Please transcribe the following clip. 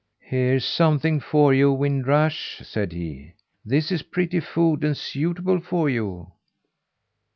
"Here's something for you, Wind Rush," said he. "This is pretty food, and suitable for you."